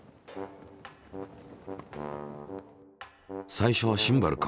最初はシンバルか。